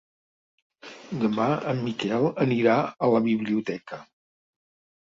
Demà en Miquel anirà a la biblioteca.